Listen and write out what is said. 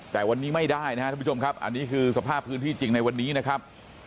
แต่วันนี้ไม่ได้นะครับทุกผู้ชมครับอันนี้คือสภาพพื้นที่จริงในวันนี้นะครับ